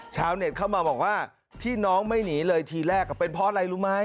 ชาวเน็ตเข้ามาบอกว่าที่น้องไม่หนีเลยทีแรกเป็นเพราะอะไรรู้ไหม